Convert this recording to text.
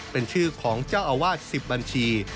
เป็นชื่อของเจ้าอาวาส๑๐บัญชี